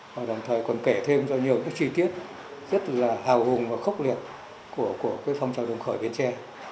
và đồng thời còn kể thêm cho nhiều cái chi tiết rất là hào hùng và khốc liệt của cái phong trào đường khởi biến tre